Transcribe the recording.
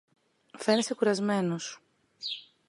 φαίνεσαι κουρασμένος